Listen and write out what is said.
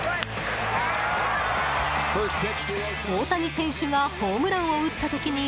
大谷選手がホームランを打った時に